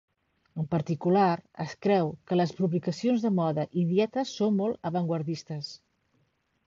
En particular, es creu que les publicacions de moda i dietes són molt avantguardistes.